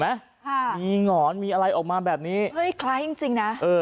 เออคล้ายจริง